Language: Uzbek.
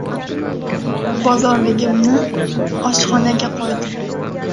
Bozorligimni oshxona qo‘ydim.